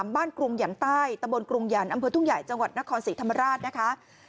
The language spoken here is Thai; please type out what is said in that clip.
กรุงหยันใต้ตะบนกรุงหยันต์อำเภอทุ่งใหญ่จังหวัดนครศรีธรรมราชนะคะ